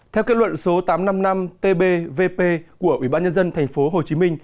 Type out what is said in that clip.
theo kết luận số tám trăm năm mươi năm tb vp của ủy ban nhân dân tp hcm